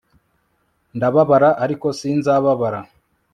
ndababara ariko sinzababara